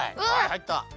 はいった。